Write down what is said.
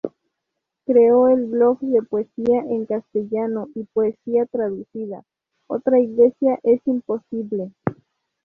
Creó el blog de poesía en castellano y poesía traducida ""Otra Iglesia es Imposible"".